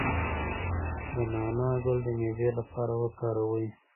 د نعناع ګل د معدې لپاره وکاروئ